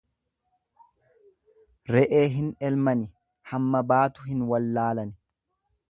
Re'ee hin elmani, hamma baatu hin wallaalani.